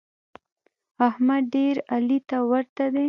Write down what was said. احمد ډېر علي ته ورته دی.